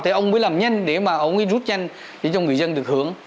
thì ông mới làm nhanh để mà ông ấy rút nhanh để cho người dân được hưởng